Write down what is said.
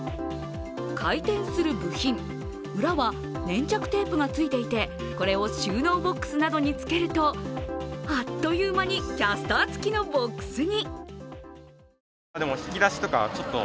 回転する部品、裏は粘着テープがついていてこれを収納ボックスなどにつけるとあっという間にキャスター付きのボックスに。